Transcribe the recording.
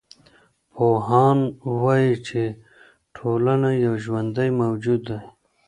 پوهان وايي چي ټولنه یو ژوندی موجود دی.